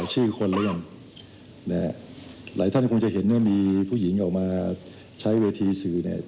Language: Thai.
หลายท่านคงจะเห็นว่ามีผู้หญิงออกมาใช้เวทีสื่อเนี่ย